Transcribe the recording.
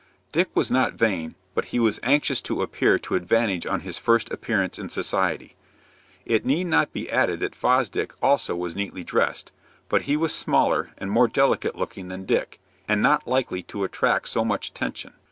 Dick was not vain, but he was anxious to appear to advantage on his first appearance in society. It need not be added that Fosdick also was neatly dressed, but he was smaller and more delicate looking than Dick, and not likely to attract so much attention.